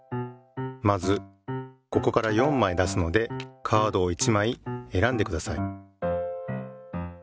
まずここから４まい出すのでカードを１まいえらんでください。